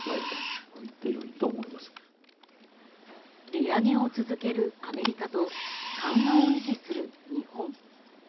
利上げを続けるアメリカと緩和を維持する日本。